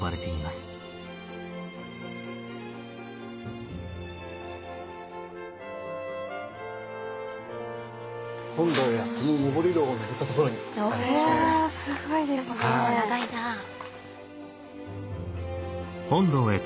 すごいですね。